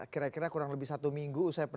kira kira kurang lebih satu minggu usai penetapan